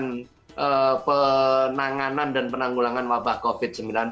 untuk penanganan dan penanggulangan wabah covid sembilan belas